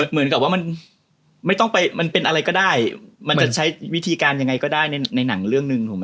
เหมือนกับว่ามันไม่ต้องไปมันเป็นอะไรก็ได้มันจะใช้วิธีการยังไงก็ได้ในหนังเรื่องหนึ่งถูกไหม